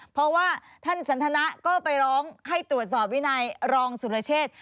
เพราะว่าท่านสันทนะก็ไปร้องให้ตรวจสอบวินัยรองสุรเชษ